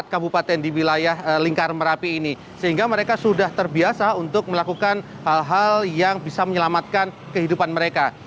empat kabupaten di wilayah lingkar merapi ini sehingga mereka sudah terbiasa untuk melakukan hal hal yang bisa menyelamatkan kehidupan mereka